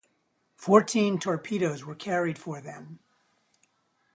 Fourteen torpedoes were carried for them.